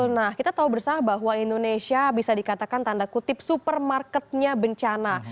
nah kita tahu bersama bahwa indonesia bisa dikatakan tanda kutip supermarketnya bencana